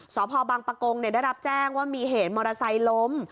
สพบังปะโกงได้รับแจ้งว่ามีเหตุมอาศัยล้ม